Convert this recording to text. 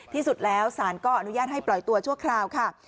ที่สุดแล้วสารก็อนุญาตให้ปล่อยตัวชั่วคราวค่ะ